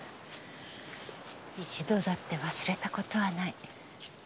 一度だって忘れた事はない。